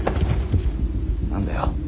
何だよ。